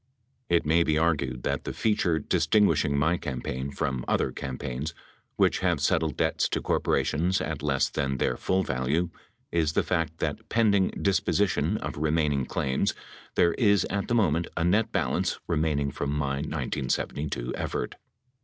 It may be argued that the feature distinguishing my cam paign from other campaigns which have settled debts to corporations at less than their fall value is the fact that pend ing disposition of remaining claims, there is at the moment a net balance remaining from my 1972 effort.